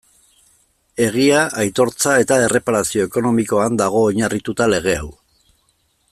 Egia, aitortza eta erreparazio ekonomikoan dago oinarrituta lege hau.